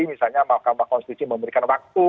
misalnya mahkamah konstitusi memberikan waktu